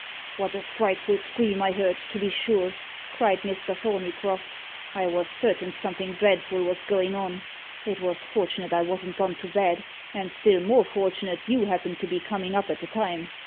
"What a frightful scream I heard to be sure!" cried Mr. Thorneycroft. "I was certain somethin' dreadful was goin' on. It was fortunate I wasn't gone to bed; and still more fortunate you happened to be comin' up at the time.